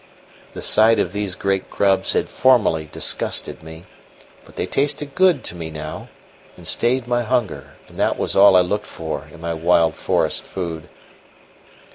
The sight of these great grubs had formerly disgusted me; but they tasted good to me now, and stayed my hunger, and that was all I looked for in my wild forest food.